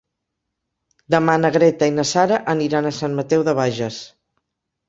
Demà na Greta i na Sara aniran a Sant Mateu de Bages.